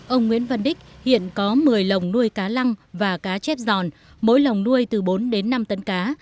ông nguyễn văn đích hiện có một mươi lồng nuôi cá lăng và cá chép giòn mỗi lồng nuôi từ bốn đến năm tấn cá